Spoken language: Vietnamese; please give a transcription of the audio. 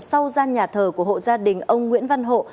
sau gian nhà thờ của hộ gia đình ông nguyễn văn hộ